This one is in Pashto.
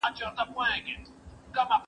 زه چپنه پاک کړې ده،